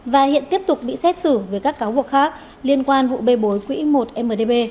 và hiện tiếp tục bị xét xử với các cáo buộc khác liên quan vụ bê bối quỹ một mdb